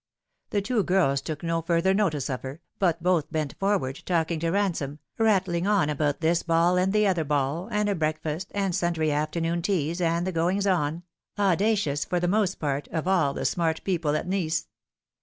The two girls took no further notice of her, but both bent forward, talking to Ban tome, rattling on about this ball and the other ball, and a break fast, and sundry afternoon teas, and the goings on audacious for the most part of all the smart people at Nice.